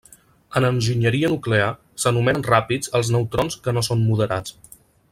En enginyeria nuclear s'anomenen ràpids els neutrons que no són moderats.